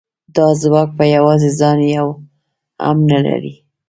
دا ځواک په یوازې ځان یو هم نه لري